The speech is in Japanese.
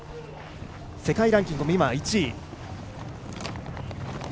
世界ランキングも１位。